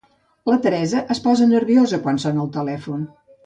La Teresa es posa nerviosa quan sona el telèfon.